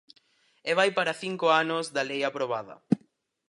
E vai para cinco anos da lei aprobada.